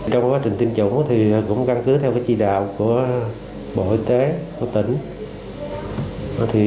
trong quá trình tiêm chủng cũng căn cứ theo chi đạo của bộ y tế tỉnh